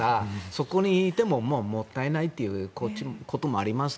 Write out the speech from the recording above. そこに行ってももうもったいないということもあります